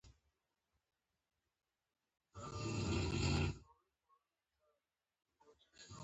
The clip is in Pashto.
د پسرلی په شکلی یاد، جام ته تویی کړه سکروټی